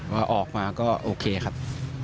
ว่าออกมาก็โอเคครับ